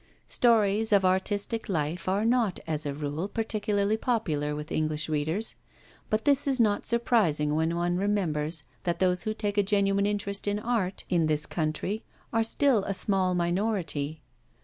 Stories of artistic life are not as a rule particularly popular with English readers, but this is not surprising when one remembers that those who take a genuine interest in art, in this country, are still a small minority.